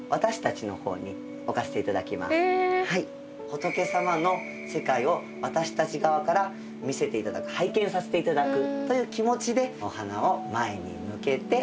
仏様の世界を私たち側から見せていただく拝見させていただくという気持ちでお花を前に向けて置かせていただきます。